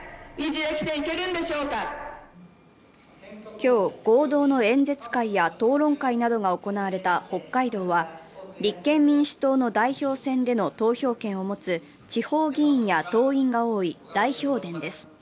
今日、合同の演説会や討論会などが行われた北海道は立憲民主党の代表戦での投票権を持つ地方議員や党員が多い大票田です。